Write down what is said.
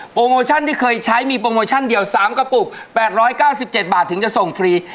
โมชั่นที่เคยใช้มีโปรโมชั่นเดียว๓กระปุก๘๙๗บาทถึงจะส่งฟรี